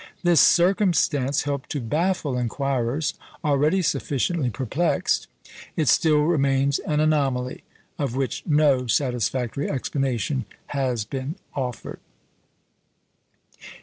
This circumstance helped to baffle inquirers, already sufficiently perplexed. It still remains an anomaly, of which no satisfactory explanation has been offered.